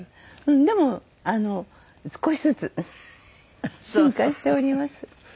でも少しずつ進化しております。